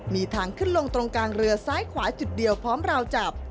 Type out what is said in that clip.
มีทางขึ้นลงตรงกลางเรือซ้ายขวาจุดเดียวพร้อมราวจับ